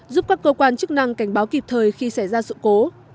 giúp các cơ quan chức năng cảnh báo kịp thời khi xảy ra sự cố